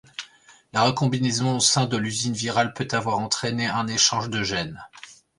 La recombinaison au sein de l'usine virale peut avoir entraîné un échange de gènes.